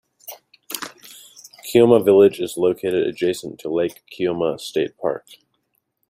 Keomah Village is located adjacent to Lake Keomah State Park.